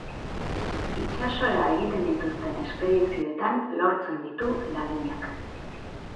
Itsasora egiten dituzten espedizioetan lortzen ditu laginak.